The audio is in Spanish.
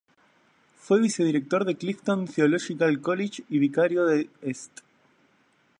Fue vicedirector de Clifton Theological College y vicario de St.